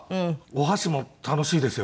お箸も楽しいですよね。